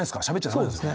そうですね。